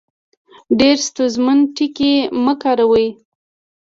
ډېر ستونزمن ټکي مۀ کاروئ